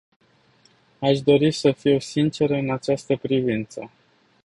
Aș dori să fiu sinceră în această privință.